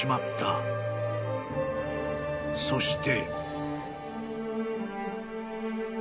［そして］